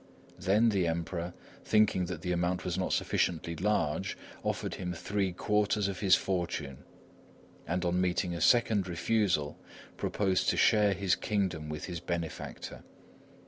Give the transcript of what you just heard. Then the Emperor, thinking that the amount was not sufficiently large, offered him three quarters of his fortune, and on meeting a second refusal, proposed to share his kingdom with his benefactor.